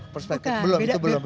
perspektif belum itu belum